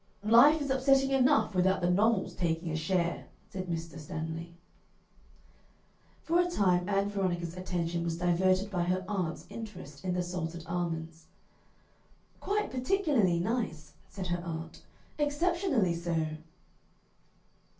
"Life is upsetting enough, without the novels taking a share," said Mr. Stanley. For a time Ann Veronica's attention was diverted by her aunt's interest in the salted almonds. "Quite particularly nice," said her aunt. "Exceptionally so."